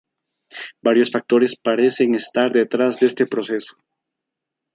Varios factores parecen estar detrás de este proceso.